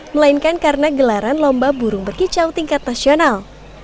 melainkan karena gelaran lomba burung berkicau tingkat nasional